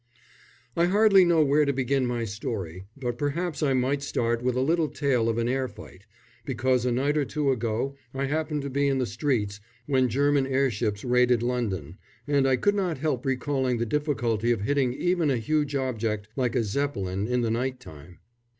] I hardly know where to begin my story, but perhaps I might start with a little tale of an air fight, because a night or two ago I happened to be in the streets when German airships raided London, and I could not help recalling the difficulty of hitting even a huge object like a Zeppelin in the night time.